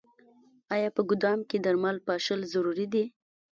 آیا په ګدام کې درمل پاشل ضروري دي؟